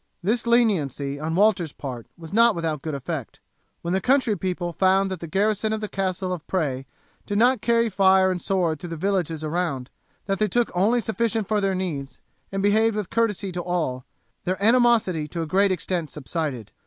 This leniency on Walter's part was not without good effect. When the country people found that the garrison of the castle of Pres did not carry fire and sword through the villages around, that they took only sufficient for their needs, and behaved with courtesy to all, their animosity to a great extent subsided.